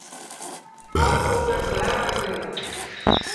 آج تو تیں گاھیا کریاڑا